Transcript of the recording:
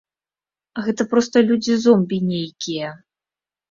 Гэта проста людзі-зомбі нейкія.